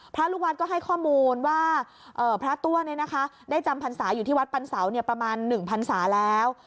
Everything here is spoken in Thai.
พระลูกวัดก็ให้ข้อมูลว่าพระตั้วเนี่ยนะคะได้จำพรรษาอยู่ที่วัดปันเสาเนี่ยประมาณหนึ่งพรรษาแล้ว